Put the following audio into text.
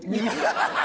ハハハハ！